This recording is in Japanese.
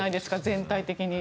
全体的に。